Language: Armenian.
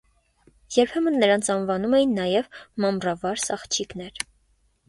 Երբեմն նրանց անվանում էին նաև «մամռավարս աղջիկներ»։